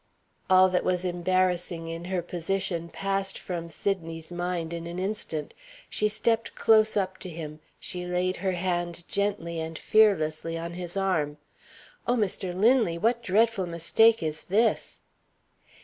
All that was embarrassing in her position passed from Sydney's mind in an instant. She stepped close up to him; she laid her hand gently and fearlessly on his arm. "Oh, Mr. Linley, what dreadful mistake is this?"